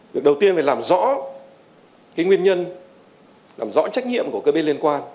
việc đầu tiên phải làm rõ nguyên nhân làm rõ trách nhiệm của cơ biến liên quan